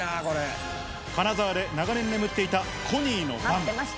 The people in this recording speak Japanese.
金沢で長年、眠っていたコニーのバン。